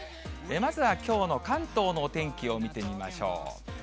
まずはきょうの関東のお天気を見てみましょう。